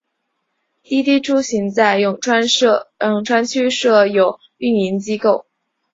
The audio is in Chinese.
滴滴出行在永川区设有运营机构。